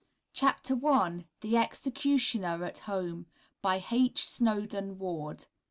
CHAPTER I. The Executioner at Home. BY H. SNOWDEN WARD.